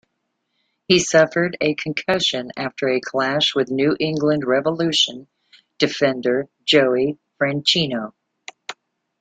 He suffered a concussion after a clash with New England Revolution defender Joey Franchino.